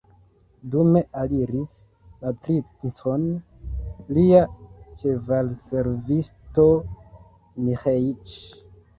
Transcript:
Dume aliris la princon lia ĉevalservisto Miĥeiĉ.